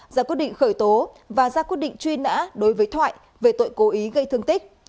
ra quyết định khởi tố và ra quyết định truy nã đối với thoại về tội cố ý gây thương tích